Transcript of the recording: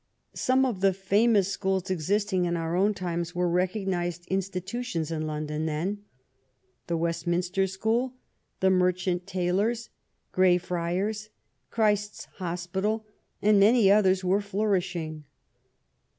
Some of the famous schools existing in our own time were recognized institutions in London then. The West minster School, the Merchant Taylors, Greyfriars, Christ's Hospital, and many others were flourishing.